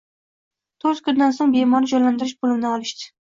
To‘rt kundan so‘ng bemorni jonlantirish bo‘limidan olishdi.